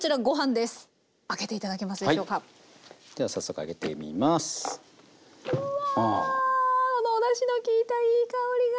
あのおだしの利いたいい香りが！